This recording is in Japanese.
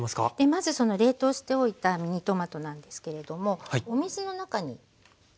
まずその冷凍しておいたミニトマトなんですけれどもお水の中につけます。